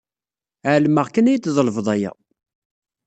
Ɛelmeɣ kan ad yi-d-tḍelbeḍ aya.